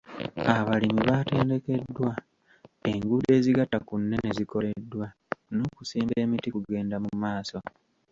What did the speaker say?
Abalimi baatendekeddwa, enguudo ezigatta ku nnene zikoleddwa, n'okusimba emiti kugenda mu maaso.